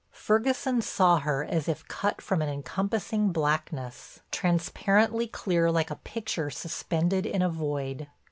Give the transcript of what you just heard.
Ferguson saw her as if cut from an encompassing blackness, transparently clear like a picture suspended in a void.